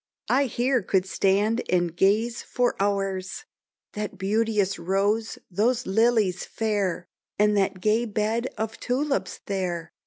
I here could stand and gaze for hours. That beauteous rose, those lilies fair, And that gay bed of tulips there!